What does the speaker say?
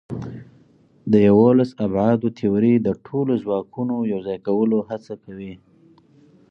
د یوولس ابعادو تیوري د ټولو ځواکونو یوځای کولو هڅه کوي.